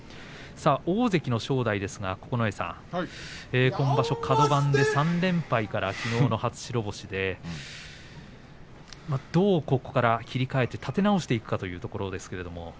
大関の正代ですが九重さん今場所、カド番で３連敗からきのうの初白星でここからどう立て直していくかですけれども。